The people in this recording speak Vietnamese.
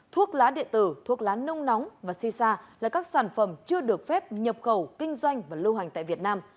thuốc lá điện tử thuốc lá nông nóng và sisa là các sản phẩm chưa được phép nhập khẩu kinh doanh và lưu hành tại việt nam